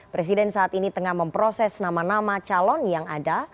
presiden saat ini tengah memproses nama nama calon yang ada